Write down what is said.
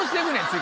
次。